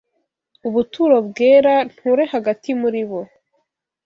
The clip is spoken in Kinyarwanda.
ubuturo bwera, nture hagati muri bo